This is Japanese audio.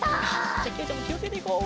じゃあきほちゃんもきをつけていこう。